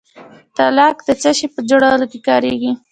تالک د څه شي په جوړولو کې کاریږي؟